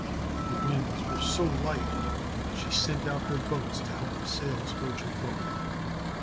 The winds were so light that she sent out her boats to help the sails urge her forward.